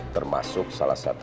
termasuk salah satu